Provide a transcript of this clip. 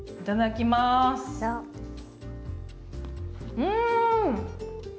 うん！